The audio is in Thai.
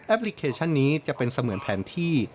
พลิเคชันนี้จะเป็นเสมือนแผนที่